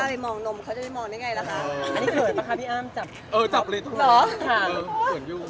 ไม่เดิมเผื่อหลังออกมาคนก็ชอบแล้ว